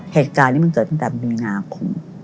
เหตุการณ์นี้มันเกิดตั้งแต่มีนาคม